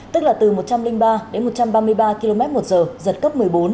tức là từ một trăm linh ba đến một trăm ba mươi ba km một giờ giật cấp một mươi bốn